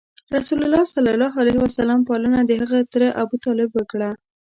رسول الله ﷺ پالنه دهغه تره ابو طالب وکړه.